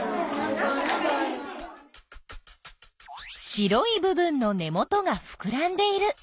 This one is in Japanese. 白い部分の根元がふくらんでいる。